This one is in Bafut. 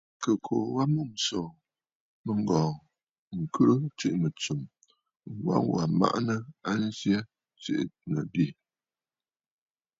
À kɨ kuu wa a mûm ǹsòò mɨ̂ŋgɔ̀ɔ̀ m̀burə ŋkhɨrə tsiʼì mɨ̀tsɨm, ŋwa wà maʼanə a nsyɛ tiʼì nɨ àdì.